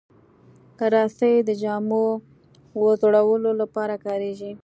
رسۍ د جامو وځړولو لپاره کارېږي.